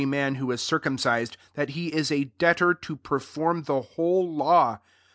311 nah who is circumcised, that lie i% a debtor to perform the ^hole law.